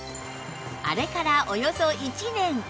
あれからおよそ１年